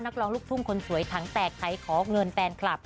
นักร้องลูกทุ่งคนสวยถังแตกไทยขอเงินแฟนคลับ